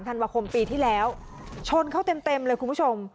ธันวาคมปีที่แล้วชนเขาเต็มเต็มเลยคุณผู้ชม